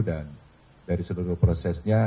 dan dari seluruh prosesnya